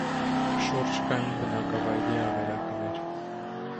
Շուրջ կային բնակավայրի ավերակներ։